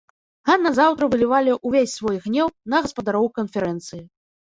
А назаўтра вылівалі ўвесь свой гнеў на гаспадароў канферэнцыі.